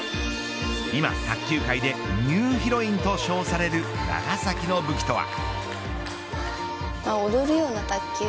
今、卓球界でニューヒロインと称される長崎の武器とは。